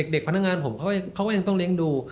เด็กพนักงานผมเขาก็ยังต้องเลี้ยงดู